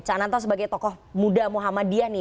oke ca'ananto sebagai tokoh muda muhammadiyah nih